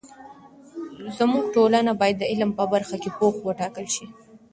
زموږ ټولنه باید د علم په برخه کې پوخ وټاکل سي.